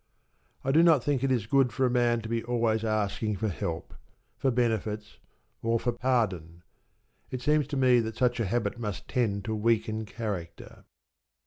I do not think it is good for a man to be always asking for help, for benefits, or for pardon. It seems to me that such a habit must tend to weaken character.